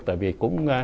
tại vì cũng